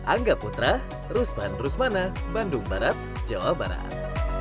angga putra rusman rusmana bandung barat jawa barat